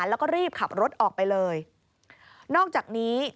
นี่ค่ะคุณผู้ชมพอเราคุยกับเพื่อนบ้านเสร็จแล้วนะน้า